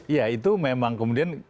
ya itu memang kemudian